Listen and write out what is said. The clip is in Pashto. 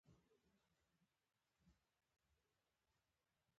ځوانان د ټولني د ملا د تیر حيثيت لري.